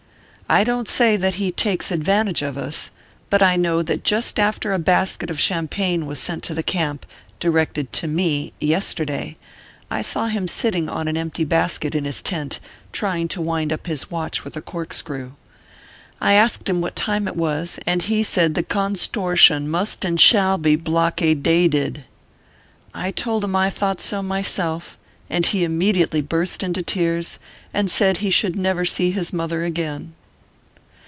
I don t say that he takes advantage of us : but I know that just after a basket of champagne was sent to the camp, directed to me, yesterday, I saw him sitting on an empty basket in his tent, trying to wind up his watch with a cork screw. I asked him what time it was, and he said the Conzstorshun must and shall be blockade dade did. I told him I thought so myself, and he imme diately burst into tears, and said he should never see his mother again.